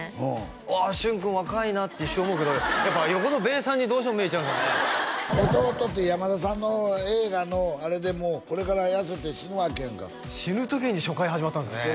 うわっ旬君若いなって一瞬思うけどやっぱ横のべーさんにどうしても目がいっちゃう「おとうと」って山田さんの映画のあれでこれから痩せて死ぬわけやんか死ぬ時に初回始まったんですね